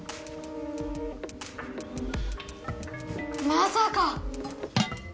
まさか！